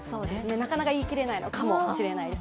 なかなか言い切れないのかもしれないです。